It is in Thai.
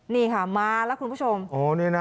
นี่ค่ะมาแล้วคุณผู้ชมโอ้นี่นะ